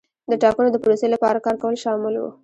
د ټاکنو د پروسې لپاره کار کول شامل وو.